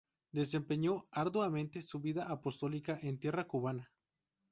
Desempeñó arduamente su vida apostólica en tierra cubana.